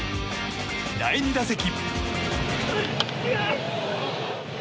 第２打席。